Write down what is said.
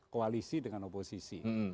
koalisi dengan oposisi